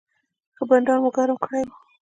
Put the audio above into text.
ښه بنډار مو ګرم کړی و.